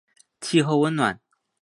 气候温暖。